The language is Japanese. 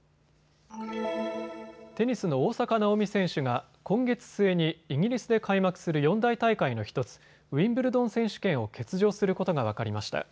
テニスの大坂なおみ選手が今月末にイギリスで開幕する四大大会の１つ、ウィンブルドン選手権を欠場することが分かりました。